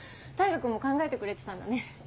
大牙君も考えてくれてたんだね。